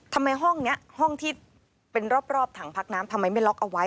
ทำไมห้องนี้ห้องที่เป็นรอบถังพักน้ำทำไมไม่ล็อกเอาไว้